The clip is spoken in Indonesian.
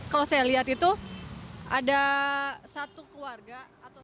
kalau saya lihat itu ada satu keluarga